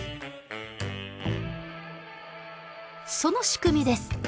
その仕組みです。